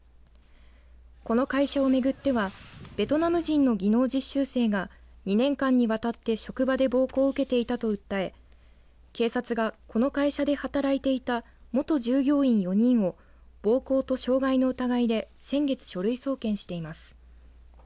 この会社を巡ってはベトナム人の技能実習生が２年間にわたって職場で暴行を受けていたと訴え警察がこの会社で働いていた元従業員４人を暴行と傷害の疑いで先月、書類送検しています。